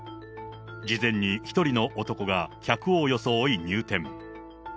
事前に１人の男が客を装い入店。